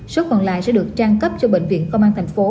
số còn lại sẽ được trang cấp cho bệnh viện công an thành phố